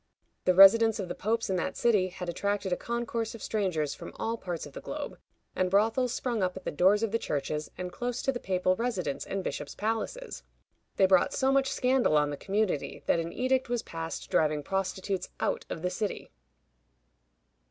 The residence of the popes in that city had attracted a concourse of strangers from all parts of the globe, and brothels sprung up at the doors of the churches, and close to the papal residence and bishops' palaces. They brought so much scandal on the community that an edict was passed driving prostitutes out of the city.